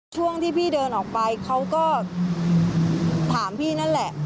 ช่วงที่พี่เดินออกไปเขาก็ถามพี่นั่นแหละ